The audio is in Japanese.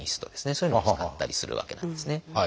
そういうのを使ったりするわけなんですね。